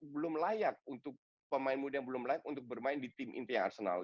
belum layak untuk pemain muda yang belum layak untuk bermain di tim inti arsenal